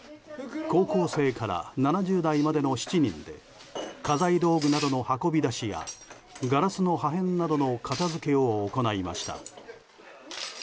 高校生から７０代までの７人で家財道具などの運び出しやガラスの破片などの片付けを行いました。